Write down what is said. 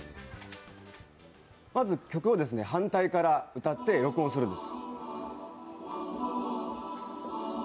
まず曲を反対から歌って録音するんです。